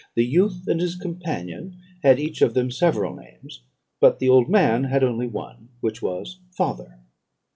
The youth and his companion had each of them several names, but the old man had only one, which was father.